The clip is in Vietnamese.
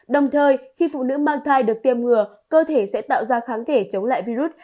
đồng thời khi phụ nữ mang thai được tiêm ngừa cơ thể sẽ tạo ra kháng thể chống lại virus